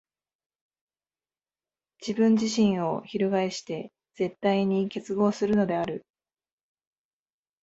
自己自身を翻して絶対に結合するのである。